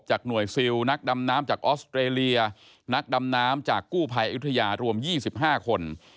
หน่วยซิลนักดำน้ำจากออสเตรเลียนักดำน้ำจากกู้ภัยอยุธยารวม๒๕คน